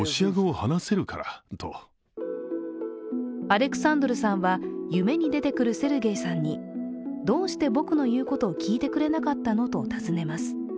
アレクサンドルさんは夢に出てくるセルゲイさんに、どうして僕の言うことを聞いてくれなかったのと尋ねます。